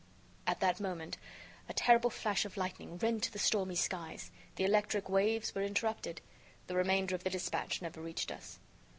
At that moment, a terrible flash of lightning rent the stormy skies. The electric waves were interrupted. The remainder of the dispatch never reached us.